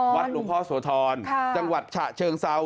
หลวงพ่อโสธรจังหวัดฉะเชิงเซา